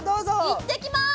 いってきます！